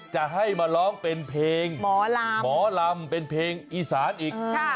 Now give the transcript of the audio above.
จะให้มาร้องเป็นเพลงหมอลำหมอลำเป็นเพลงอีสานอีก